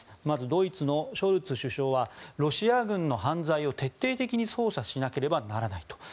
まず、ドイツのショルツ首相はロシア軍の犯罪を徹底的に捜査しなければならない。